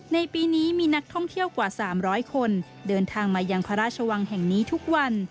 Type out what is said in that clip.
ในปีนี้มีนักท่องเที่ยวกว่า๓๐๐คนเดินทางมายังพระราชวังแห่งนี้ทุกวัน